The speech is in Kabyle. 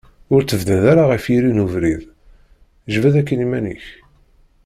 Ur ttebdad ara ɣef yiri n ubrid, jbed akin iman-ik.